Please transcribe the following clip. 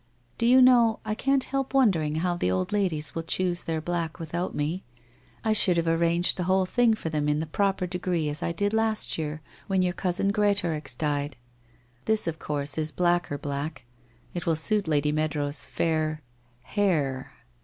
... Do you know I can't help wondering how the old ladies will choose their black without me? I should have arranged the whole thing for them in the proper degree as I did last year when your cousin Greatorex died. This of course is blacker black. It will suit Lady Meadrow's fair — hair.'